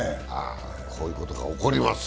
こういうことが起こります。